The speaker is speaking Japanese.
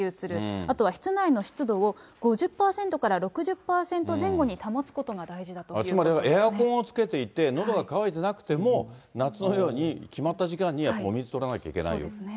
あとは室内の湿度を５０％から６０％前後に保つことが大事だといつまりエアコンをつけていて、のどが渇いてなくても、夏のように決まった時間にやっぱお水とらなきゃいけないよと。